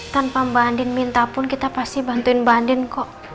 tanpa mbak andin minta pun kita pasti bantuin banding kok